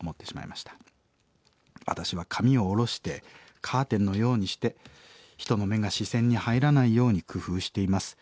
私は髪をおろしてカーテンのようにして人の目が視線に入らないように工夫しています。